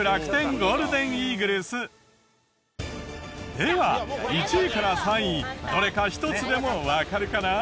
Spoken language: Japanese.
では１位から３位どれか１つでもわかるかな？